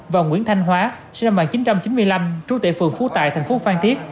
và nguyễn thanh hóa sinh năm một nghìn chín trăm chín mươi năm trú tệ phường phú tại thành phố phan thiết